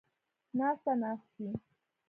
ناسته ، ناستې